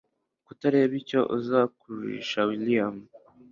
tukareba icyo azakururisha william